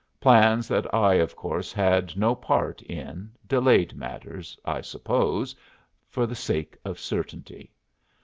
Plans that I, of course, had no part in delayed matters, I suppose for the sake of certainty.